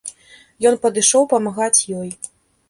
Ён падышоў памагаць ёй.